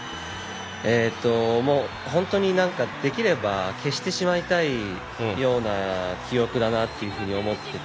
もう本当になんかできれば消してしまいたいような記憶だなというふうに思ってて。